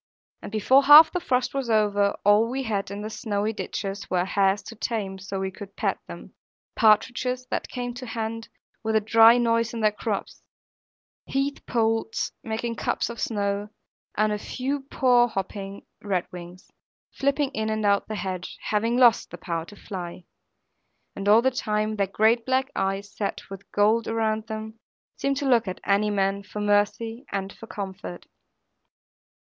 And before half the frost was over, all we had in the snowy ditches were hares so tame that we could pat them; partridges that came to hand, with a dry noise in their crops; heath poults, making cups of snow; and a few poor hopping redwings, flipping in and out the hedge, having lost the power to fly. And all the time their great black eyes, set with gold around them, seemed to look at any man, for mercy and for comfort.